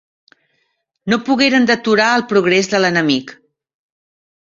No pogueren deturar el progrés de l'enemic.